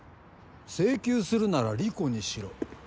請求するなら理子にしろ。